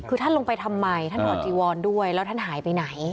คือท่านลงไปทำไมท่านถอดจีวอนด้วยแล้วท่านหายไปไหน